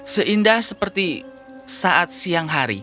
seindah seperti saat siang hari